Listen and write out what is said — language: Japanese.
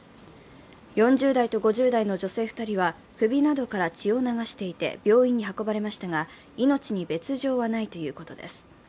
４０代と５０代の女性２人は首などから血を流していて病院に運ばれましたが、命に別条はないということです。